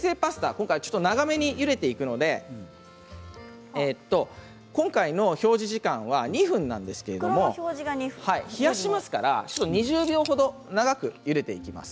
今回長めにゆでていくので今回の表示時間は２分なんですけれども冷やしますから２０秒ほど長くゆでていきます。